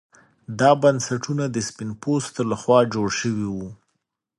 دا بنسټونه د سپین پوستو لخوا جوړ شوي وو.